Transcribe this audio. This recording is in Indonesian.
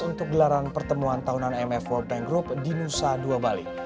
untuk gelaran pertemuan tahunan imf world bank group di nusa dua bali